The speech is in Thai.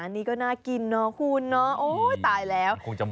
นี่ก็น่ากินเนาะคุณเนาะโอ้ยตายแล้ว